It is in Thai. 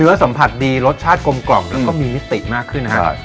สัมผัสดีรสชาติกลมกล่อมแล้วก็มีมิติมากขึ้นนะครับ